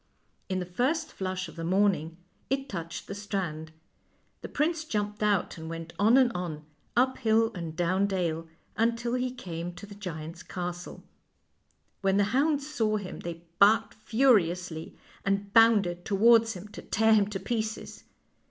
In the first flush of the morning it touched the strand. The prince jumped out and went on and on, up hill and down dale, until he came to the giant's castle. When the hounds saw him they barked furiously, and bounded towards him to tear him to pieces.